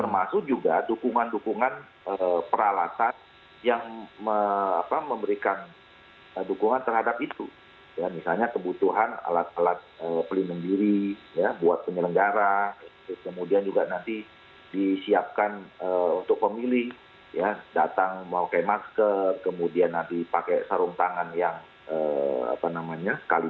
mas agus melas dari direktur sindikasi pemilu demokrasi